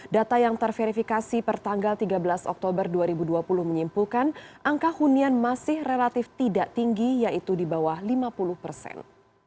data yang terverifikasi pertanggal tiga belas oktober dua ribu dua puluh menyimpulkan angka hunian masih relatif tidak tinggi yaitu di bawah lima puluh persen